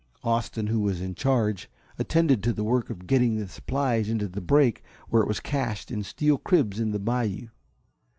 Austen, who was in charge, attended to the work of getting the supplies into the brake where it was cached in steel cribs in the bayou.